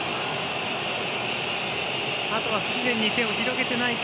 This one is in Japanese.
あとは不自然に手を広げていないか